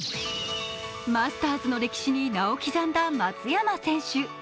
マスターズの歴史に名を刻んだ松山選手。